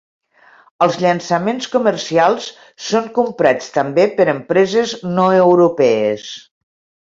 Els llançaments comercials són comprats també per empreses no europees.